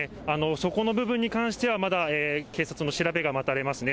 そこの部分に関しては、まだ警察の調べが待たれますね。